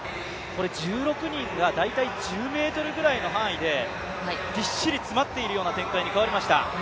１６人が大体１０ｍの範囲でびっしり詰まっているような展開に変わりました。